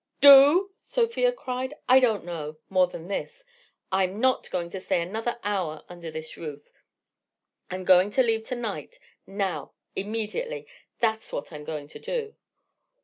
"Do?" Sofia cried. "I don't know, more than this: I'm not going to stay another hour under this roof, I'm going to leave to night—now— immediately! That's what I'm going to do!"